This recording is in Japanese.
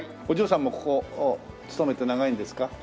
お嬢さんもここ勤めて長いんですか？